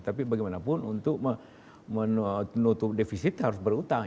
tapi bagaimanapun untuk menutup defisit harus berutang